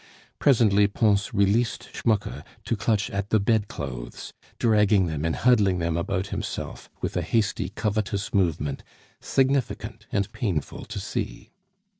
Presently Pons released Schmucke to clutch at the bed clothes, dragging them and huddling them about himself with a hasty, covetous movement significant and painful to see.